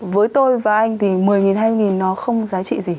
với tôi và anh thì một mươi hai nghìn nó không giá trị gì